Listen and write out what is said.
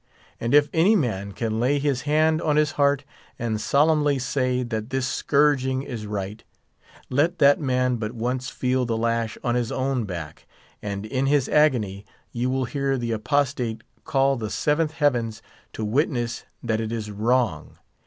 And if any man can lay his hand on his heart, and solemnly say that this scourging is right, let that man but once feel the lash on his own back, and in his agony you will hear the apostate call the seventh heavens to witness that it is wrong.